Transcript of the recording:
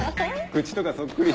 口とかそっくり。